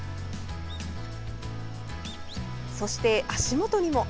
そして足元にも。